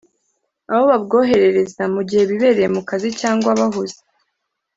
abo babwoherereza mu gihe bibereye mu kazi cyangwa bahuze